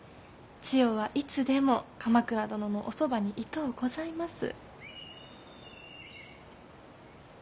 千世はいつでも鎌倉殿のおそばにいとうございます。